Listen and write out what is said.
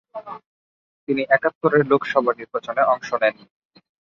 তিনি একাত্তরের লোকসভা নির্বাচনে অংশ নেননি।